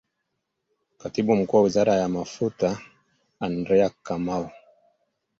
Katibu Mkuu wa Wizara ya Mafuta Andrew Kamau